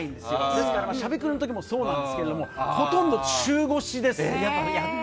ですから「しゃべくり」の時もそうなんですけれどもほとんど中腰です。